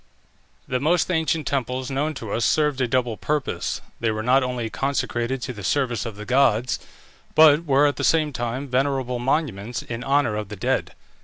The most ancient temples known to us served a double purpose: they were not only consecrated to the service of the gods, but were at the same time venerable monuments in honour of the dead.